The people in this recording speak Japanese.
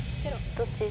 どっち？